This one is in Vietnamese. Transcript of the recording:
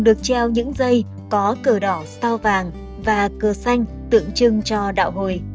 đây có cửa đỏ sao vàng và cửa xanh tượng trưng cho đạo hồi